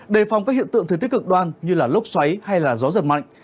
đề phòng các hiện tượng thời tiết cực đoan như lốc xoáy hay gió giật mạnh